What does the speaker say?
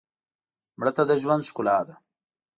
مړه ته د ژوند ښکلا ده